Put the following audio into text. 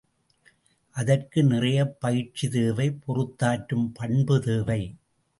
அதற்கு நிறையப் பயிற்சி தேவை பொறுத்தாற்றும் பண்பு தேவை.